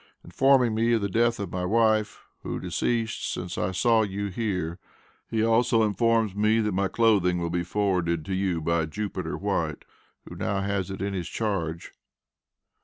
informing me of the death of my wife, who deceased since I saw you here; he also informs me that my clothing will be forwarded to you by Jupiter White, who now has it in his charge.